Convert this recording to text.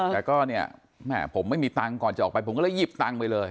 แต่ก็เนี่ยแม่ผมไม่มีตังค์ก่อนจะออกไปผมก็เลยหยิบตังค์ไปเลย